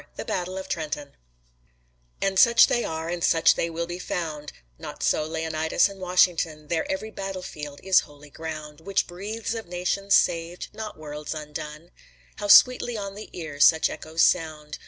THE BATTLE OF TRENTON And such they are and such they will be found: Not so Leonidas and Washington, Their every battle field is holy ground Which breathes of nations saved, not worlds undone. How sweetly on the ear such echoes sound!